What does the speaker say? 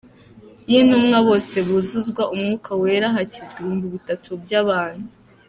y'intumwa bose buzuzwa Umwuka Wera hakizwa ibihumbi bitatu by'abantu.